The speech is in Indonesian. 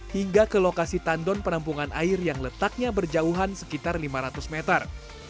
hingga ke lokasi tandon penampungan air yang letaknya berjauhan sekitar lima ratus meter